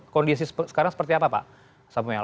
kondisi sekarang seperti apa pak samuel